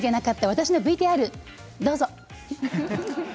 私のＶＴＲどうぞ。